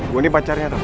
gue ini pacarnya dong